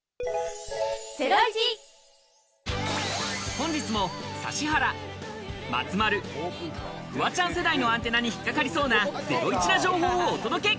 本日も指原、松丸、フワちゃん世代のアンテナに引っ掛かりそうなゼロイチな情報をお届け！